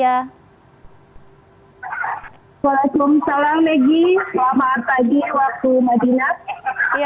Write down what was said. waalaikumsalam maggie selamat pagi waktu madinah